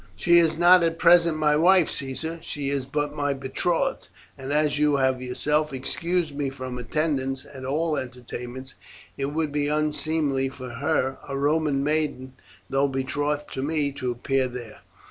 "She is not at present my wife, Caesar, she is but my betrothed; and as you have yourself excused me from attendance at all entertainments, it would be unseemly for her, a Roman maiden, though betrothed to me, to appear there."